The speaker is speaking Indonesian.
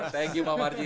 thank you pak marji